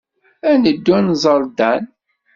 Ad neddu ad nẓer Dan.